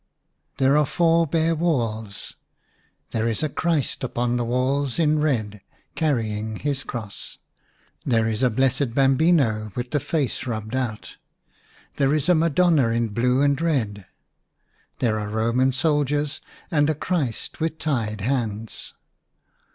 IN A RUINED CHAPEL, HERE are four bare walls; there is a Christ upon the walls, in red, carrying his cross ; there is a Blessed Bambino with the face rubbed out ; there is Madonna in blue and red ; there are Roman soldiers and a Christ with tied hands.